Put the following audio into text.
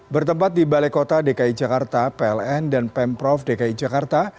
bertempat di balai kota dki jakarta pln dan pemprov dki jakarta